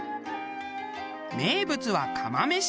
名物は釜飯。